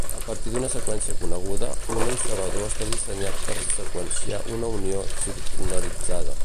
A partir d'una seqüència coneguda, un encebador està dissenyat per seqüenciar una unió circularitzada.